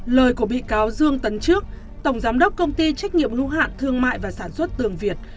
lời của bị cáo dương tấn trước tổng giám đốc công ty trách nhiệm hữu hạn thương mại và sản xuất tường việt